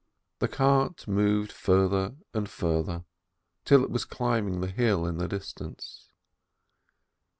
The cart moved further and further, till it was climb ing the hill in the distance.